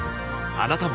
あなたも